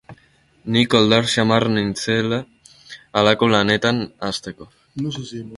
Ni koldar xamarra nintzela halako lanetan hasteko.